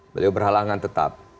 beliau berhalangan tetap